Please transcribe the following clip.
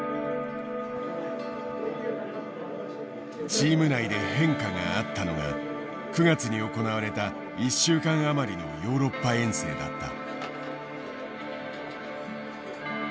チーム内で変化があったのが９月に行われた１週間余りのヨーロッパ遠征だった。